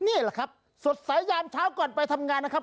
นี่แหละครับสดสายยามเช้าก่อนไปทำงานนะครับ